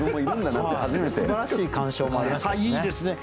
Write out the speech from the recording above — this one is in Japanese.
すばらしい鑑賞もありましたしね。